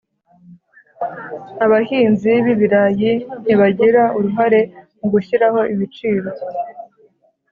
Abahinzi bibirayi ntibagira uruhare mu gushyiraho ibiciro.